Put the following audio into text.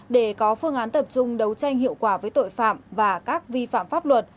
để có phương án tập trung đấu tranh hiệu quả với tội phạm và các vi phạm pháp luật